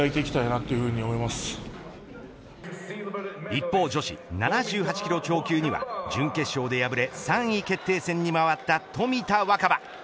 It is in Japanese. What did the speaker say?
一方、女子７８キロ超級には準決勝で敗れ３位決定戦に回った冨田若春。